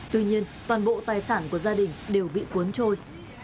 tuy nhiên toàn bộ tài sản của gia đình đều bị cuốn trôi